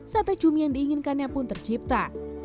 sate cumi yang diinginkannya pun tercipta